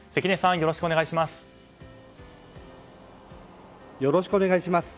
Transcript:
よろしくお願いします。